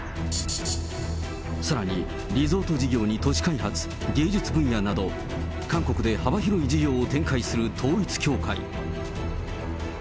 さらにリゾート事業に都市開発、芸術分野など韓国で幅広い事業を展開する統一教会。